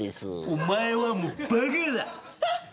おまえはもうバカだ！